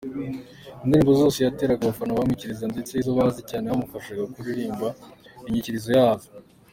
Indirimbo zose yateraga, abafana bamwikirizaga ndetse izo bazi cyane bamufashaga kuririmba inyikirizo yazo.